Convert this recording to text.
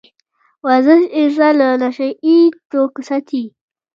ورزش انسان له نشه يي توکو ساتي.